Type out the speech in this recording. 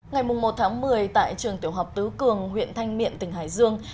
ngày một tháng một mươi tại trường tiểu học tứ cường huyện thanh miện tỉnh hải dương